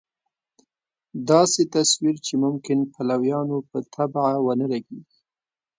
داسې تصویر چې ممکن پلویانو په طبع ونه لګېږي.